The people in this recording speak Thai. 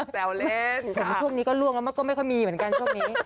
แววเล่นช่วงนี้ก็ล่วงแล้วมันก็ไม่ค่อยมีเหมือนกันช่วงนี้